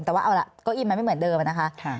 แต่ว่าเอาล่ะเก้าอี้มันไม่เหมือนเดิมนะคะ